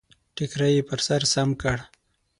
ټکری يې پر سر سم کړ.